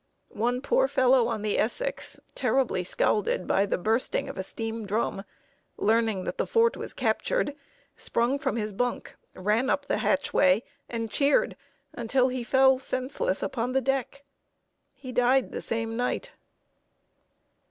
One poor fellow on the Essex, terribly scalded by the bursting of a steam drum, learning that the fort was captured, sprung from his bunk, ran up the hatchway, and cheered until he fell senseless upon the deck. He died the same night.